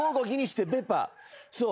そう。